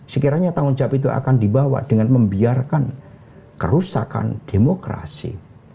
sekiranya tanggung jawab itu akan dibawa dengan membiarkan kerusakan demokrasi